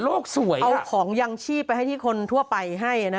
ออกของยังชีพไปที่คนทั่วไปให้นะ